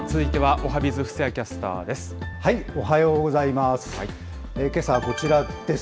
おはようございます。